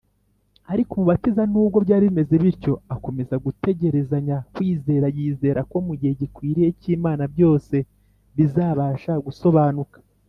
. Ariko Umubatiza, n’ubwo byari bimeze bityo, akomeza gutegerezanya kwizera, yizera ko mu gihe gikwiriye cy’Imana, byose bizabasha gusobanuka